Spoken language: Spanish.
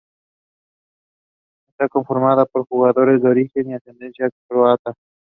Está conformada por jugadores de origen o ascendencia croata.